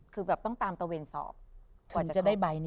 คือต้องตามตระเวนสอบ